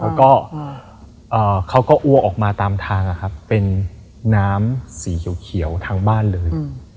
แล้วก็เขาก็อ้วกออกมาตามทางเป็นน้ำสีเขียวทางบ้านเลย